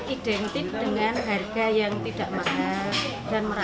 identik dengan harga yang tidak mahal dan murah